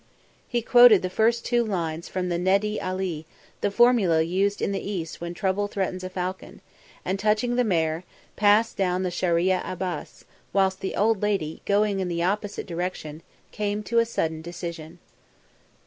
He quoted the first two lines from the Ned'i Ali, the formula used in the East when trouble threatens a falcon, and, touching the mare, passed down the Sharia Abbas, whilst the old lady, going in the opposite direction, came to a sudden decision.